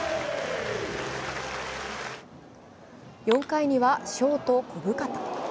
４回にはショート・小深田。